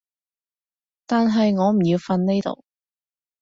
但係我唔要瞓呢度